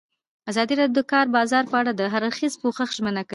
ازادي راډیو د د کار بازار په اړه د هر اړخیز پوښښ ژمنه کړې.